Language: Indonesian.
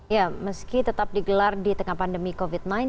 ya meski tetap digelar di tengah pandemi covid sembilan belas